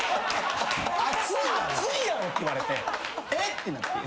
「熱いやろ？」って言われてえ？ってなって。